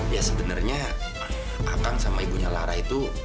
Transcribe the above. ya sebenarnya akang sama ibunya lara itu